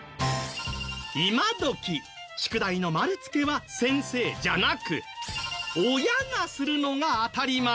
今どき宿題の丸つけは先生じゃなく親がするのが当たり前。